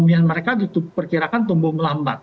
perekonomian mereka diperkirakan tumbuh melambat